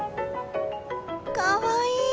かわいい！